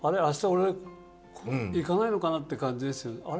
あした俺行かないのかなって感じですよね。